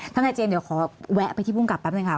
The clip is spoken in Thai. ทนายเจมส์เดี๋ยวขอแวะไปที่ภูมิกับแป๊บหนึ่งค่ะ